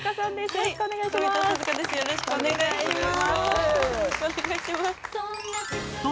よろしくお願いします。